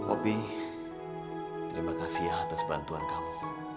opie terima kasih ya atas bantuan kamu